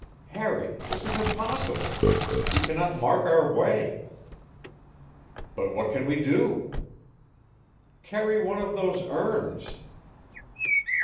"Harry, this is impossible. We cannot mark our way." "But what can we do?" "Carry one of those urns."